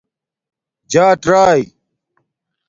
جاٹ رائئ